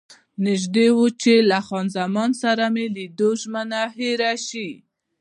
نژدې وو چې له خان زمان سره د لیدو ژمنه مې هېره شي.